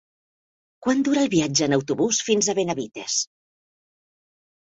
Quant dura el viatge en autobús fins a Benavites?